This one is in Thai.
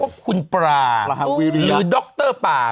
หรือด็อกเตอร์ป่า